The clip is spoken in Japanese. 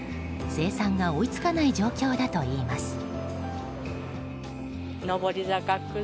生産が追い付かない状況だといいます。